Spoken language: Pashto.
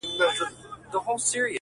خان به د لویو دښمنیو فیصلې کولې؛